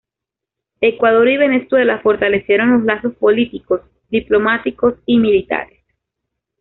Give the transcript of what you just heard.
Ecuador y Venezuela fortalecieron los lazos políticos, diplomáticos y militares.